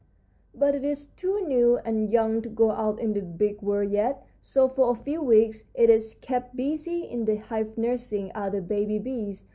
"But it is too new and young to go out in the big world yet, so for a few weeks it is kept busy in the hive nursing other baby bees.